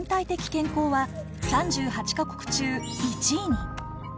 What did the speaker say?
健康は３８か国中１位に。